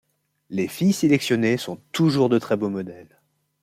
Les filles sélectionnées sont toujours de très beaux modèles.